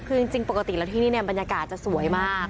คือจริงปกติแล้วที่นี่เนี่ยบรรยากาศจะสวยมาก